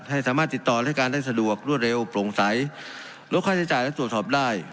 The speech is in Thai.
ให้สามารถติดต่อรายการได้สะดวกรวดเร็วโปร่งใสลดค่าใช้จ่ายและตรวจสอบได้